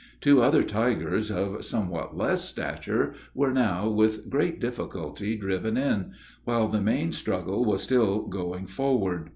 Two other tigers, of somewhat less stature, were now, with great difficulty, driven in; while the main struggle was still going forward.